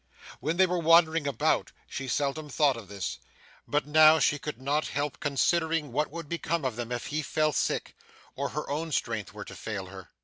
When they were wandering about, she seldom thought of this, but now she could not help considering what would become of them if he fell sick, or her own strength were to fail her.